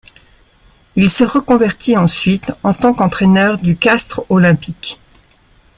Il se reconvertit ensuite en tant qu'entraîneur du Castres olympique.